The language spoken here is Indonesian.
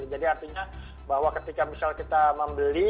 jadi artinya bahwa ketika misal kita membeli